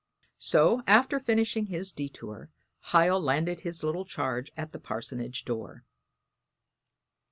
So, after finishing his detour, Hiel landed his little charge at the parsonage door.